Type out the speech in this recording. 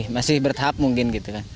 masih bertahap mungkin gitu kan